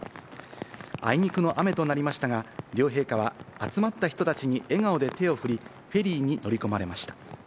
あいにくの雨となりましたが、両陛下は集まった人たちに笑顔で手をふり、フェリーに乗り込まれました。